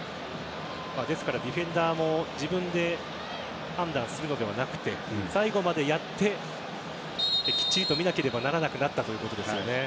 ディフェンダーも自分で判断するのではなくて最後までやってきっちりと見なければならなくなったということですね。